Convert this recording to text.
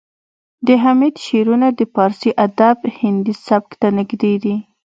د حمید شعرونه د پارسي ادب هندي سبک ته نږدې دي